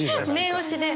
念押しで。